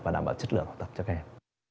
và đảm bảo chất lượng học tập cho các em